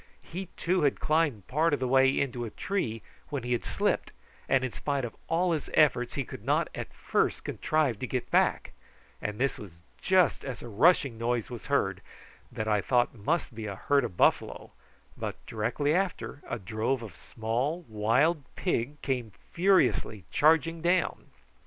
He too had climbed part of the way into a tree, when he had slipped, and in spite of all his efforts he could not at first contrive to get back; and this was just as a rushing noise was heard, that I thought must be a herd of buffalo, but, directly after, a drove of small wild pig came furiously charging down.